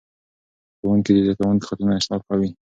ښوونکي د زده کوونکو خطونه اصلاح کوي.